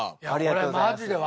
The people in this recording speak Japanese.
ありがとうございます。